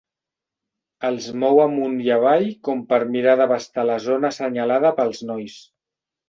Els mou amunt i avall com per mirar d'abastar la zona assenyalada pels nois.